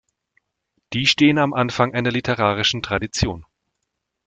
Die stehen am Anfang einer literarischen Tradition.